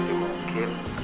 itu juga mungkin